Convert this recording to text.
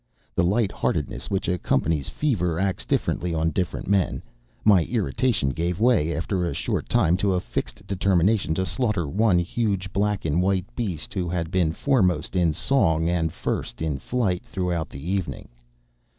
The light heartedness which accompanies fever acts differently on different men. My irritation gave way, after a short time, to a fixed determination to slaughter one huge black and white beast who had been foremost in song and first in flight throughout the evening.